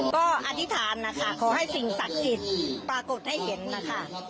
ก็อธิษฐานนะคะขอให้สิ่งศักดิ์สิทธิ์ปรากฏให้เห็นนะคะ